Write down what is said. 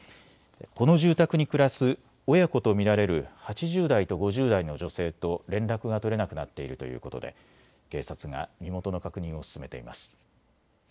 この住宅に暮らす親子と見られる８０代と５０代の女性と連絡が取れなくなっているということで警察が身元の確認を進めています。